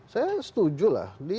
saya setuju lah